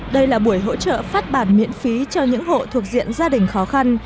đây là buổi hỗ trợ phát bản miễn phí cho những hộ thuộc diện gia đình khó khăn